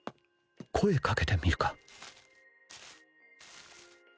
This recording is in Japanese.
声かけてみるか